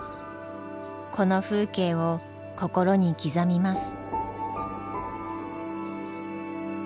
この風景を心に刻みます。